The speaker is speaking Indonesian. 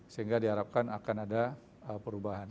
sehingga diharapkan akan ada perubahan